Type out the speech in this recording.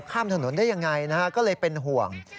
ข้ามถนนได้ยังไงนะฮะก็เลยเป็นห่วง